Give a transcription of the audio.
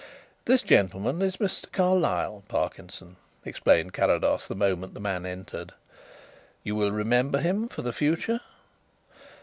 "This gentleman is Mr. Carlyle, Parkinson," explained Carrados the moment the man entered. "You will remember him for the future?"